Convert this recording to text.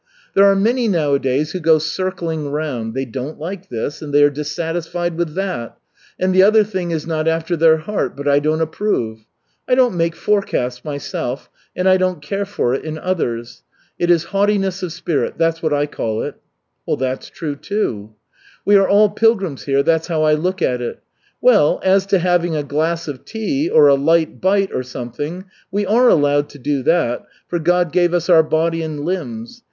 "There are many nowadays who go circling round. They don't like this and they are dissatisfied with that, and the other thing is not after their heart, but I don't approve. I don't make forecasts myself, and I don't care for it in others. It is haughtiness of spirit that's what I call it." "That's true, too." "We are all pilgrims here, that's how I look at it. Well, as to having a glass of tea, or a light bite, or something, we are allowed to do that, for God gave us our body and limbs.